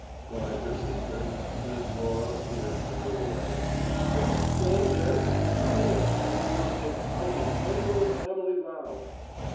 cried her sister, as Laura appeared in the doorway. "Don't stand there! Come in if you want to take part in a grand old family row!"